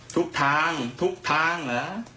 ทุกทางทุกทางเหรอ